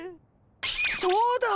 そうだ！